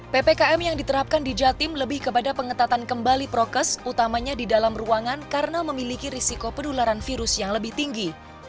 ppkm yang diterapkan di jatim lebih kepada pengetatan kembali prokes utamanya di dalam ruangan karena memiliki risiko penularan virus yang lebih tinggi